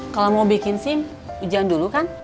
kalau mau bikin sim hujan dulu kan